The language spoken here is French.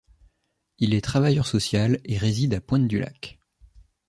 Il est travailleur social et réside à Pointe-du-Lac.